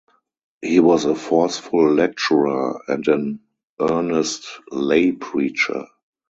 He was a forceful lecturer and an earnest lay preacher.